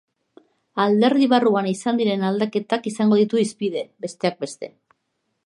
Alderdi barruan izan diren aldaketak izango ditu hizpide, besteak beste.